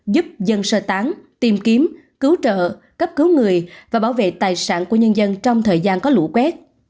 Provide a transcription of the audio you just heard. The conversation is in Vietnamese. giúp dân sơ tán tìm kiếm cứu trợ cấp cứu người và bảo vệ tài sản của nhân dân trong thời gian có lũ quét